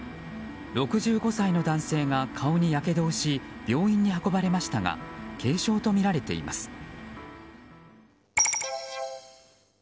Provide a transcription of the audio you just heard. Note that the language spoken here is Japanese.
６５歳の男性が顔にやけどをし病院に運ばれましたが軽傷とみられています。